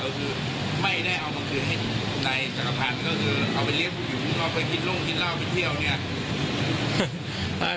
ก็คือเอาไปเรียกผู้หญิงเอาไปกินโรงกินล่าวไปเที่ยวเนี้ย